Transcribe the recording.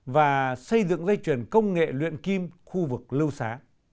và xây dựng dây chuyển công nghệ luyện kim khu vực lưu xá